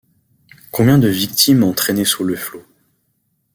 Combien de victimes entraînées sous les flots !